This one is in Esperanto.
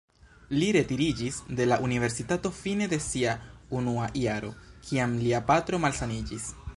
Li retiriĝis de la universitato fine de sia unua jaro, kiam lia patro malsaniĝis.